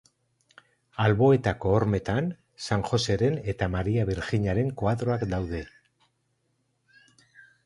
Alboetako hormetan San Joseren eta Maria Birjinaren koadroak daude.